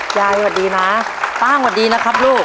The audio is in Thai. ยายสวัสดีนะป้างสวัสดีนะครับลูก